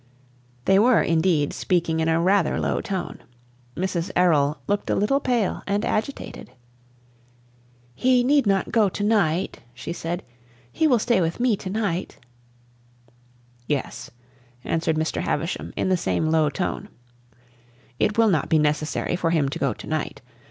They were, indeed, speaking in a rather low tone. Mrs. Errol looked a little pale and agitated. "He need not go to night?" she said. "He will stay with me to night?" "Yes," answered Mr. Havisham in the same low tone; "it will not be necessary for him to go to night.